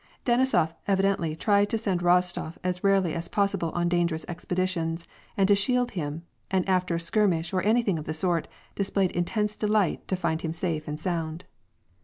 Denisof evidently tried to send Rostof as rarely as possible on dangerous expeditions, and to shield him, and after a skir mish, or anything of the sort, displayed intense delight to find him safe and sound.